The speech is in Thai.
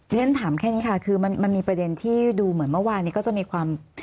เรียนถามแค่นี้ค่ะคือมันมีประเด็นที่ดูเหมือนเมื่อวานนี้ก็จะมีความ